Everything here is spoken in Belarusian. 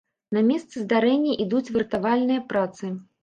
На месцы здарэння ідуць выратавальныя працы.